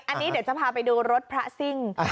อันนี้เดี๋ยวจะพาไปดูรถพระซิ่ง